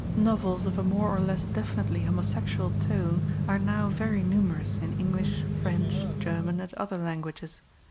Novels of a more or less definitely homosexual tone are now very numerous in English, French, German, and other languages.